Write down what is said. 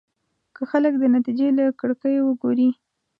که خلک د نتيجې له کړکيو وګوري.